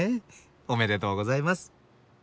おめでとうございます。